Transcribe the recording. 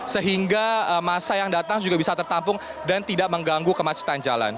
sehingga masa yang datang juga bisa tertampung dan tidak mengganggu kemacetan jalan